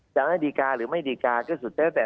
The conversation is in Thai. จะไม่ดีการหรือไม่ดีการ์ก็สุดแล้วแต่